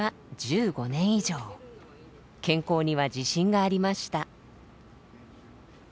健康には自信がありました。